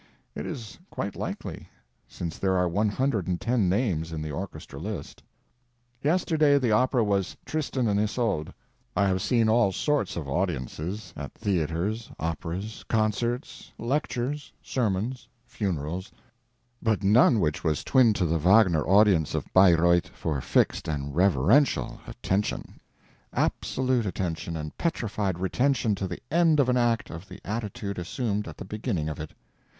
It is quite likely, since there are one hundred and ten names in the orchestra list. Yesterday the opera was "Tristan and Isolde." I have seen all sorts of audiences—at theaters, operas, concerts, lectures, sermons, funerals—but none which was twin to the Wagner audience of Bayreuth for fixed and reverential attention. Absolute attention and petrified retention to the end of an act of the attitude assumed at the beginning of it.